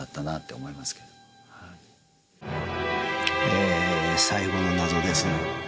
え、最後の謎です。